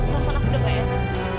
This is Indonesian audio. rasanya aku udah bayangkan